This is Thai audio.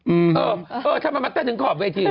เออทำไมไหมควัตเตอร์ถึงที่ขอบเวที